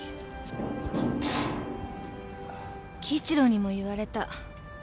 輝一郎にも言われた。